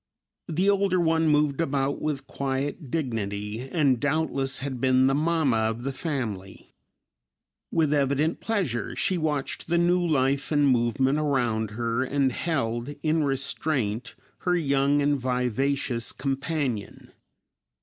The older one moved about with quiet dignity and doubtless had been the "mamma" of the family. With evident pleasure she watched the new life and movement around her, and held in restraint her young and vivacious companion.